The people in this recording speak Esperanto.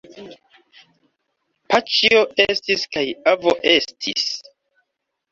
Paĉjo estis kaj avo estis.